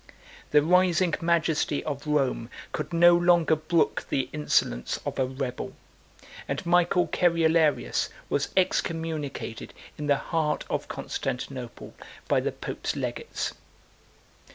The rising majesty of Rome could no longer brook the insolence of a rebel; and Michael Cerularius was excommunicated in the heart of Constantinople by the pope's legates.